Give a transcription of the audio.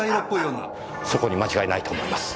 そこに間違いないと思います。